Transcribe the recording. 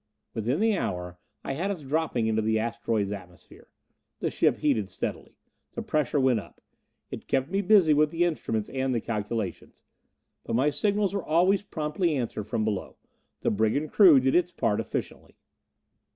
Within the hour I had us dropping into the asteroid's atmosphere. The ship heated steadily. The pressure went up. It kept me busy with the instruments and the calculations. But my signals were always promptly answered from below. The brigand crew did its part efficiently.